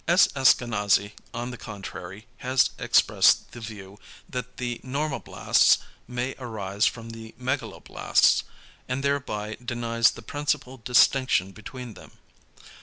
S. Askanazy on the contrary has expressed the view, that the normoblasts may arise from the megaloblasts, and thereby denies the principal distinction between them.